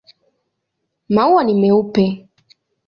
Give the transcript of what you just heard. Maua ni meupe.